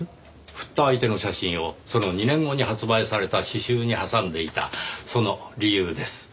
振った相手の写真をその２年後に発売された詩集に挟んでいたその理由です。